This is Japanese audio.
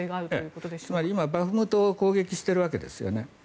つまり今、バフムトを攻撃しているわけですね。